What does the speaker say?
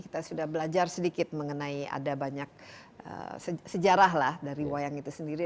kita sudah belajar sedikit mengenai ada banyak sejarah lah dari wayang itu sendiri